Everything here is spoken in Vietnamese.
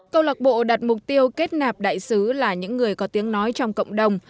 câu lạc bộ đặt mục tiêu kết nạp đại sứ là những người có tiếng nói trong cộng đồng